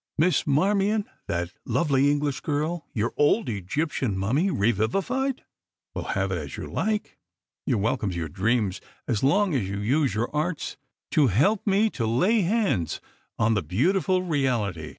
"Miss Marmion, that lovely English girl, your old Egyptian Mummy re vivified! Well, have it as you like. You are welcome to your dreams as long as you use your arts to help me to lay hands on the beautiful reality.